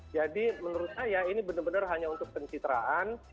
jadi menurut saya ini benar benar hanya untuk pencitraan